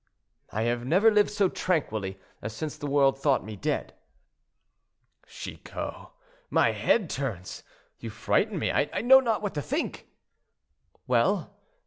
"I have never lived so tranquilly as since the world thought me dead." "Chicot, my head turns; you frighten me—I know not what to think." "Well!